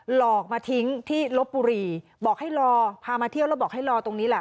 หลอกมาทิ้งที่ลบบุรีบอกให้รอพามาเที่ยวแล้วบอกให้รอตรงนี้แหละ